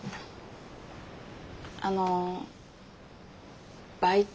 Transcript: あのバイト。